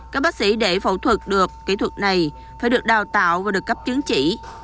các bác sĩ để phẫu thuật được kỹ thuật này phải được đào tạo và được cấp chứng chỉ